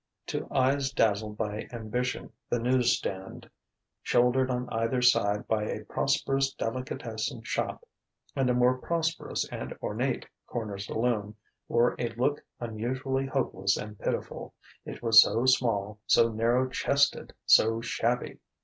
To eyes dazzled by ambition, the news stand, shouldered on either side by a prosperous delicatessen shop and a more prosperous and ornate corner saloon, wore a look unusually hopeless and pitiful: it was so small, so narrow chested, so shabby!